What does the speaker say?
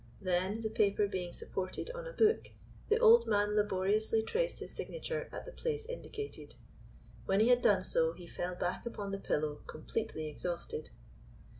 Then, the paper being supported on a book, the old man laboriously traced his signature at the place indicated. When he had done so he fell back upon the pillow completely exhausted.